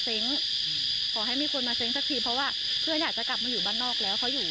จะเซ้งตึกวันนั้นเลย